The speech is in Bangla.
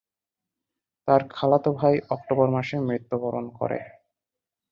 তার খালাতো ভাই অক্টোবর মাসে মৃত্যুবরণ করে।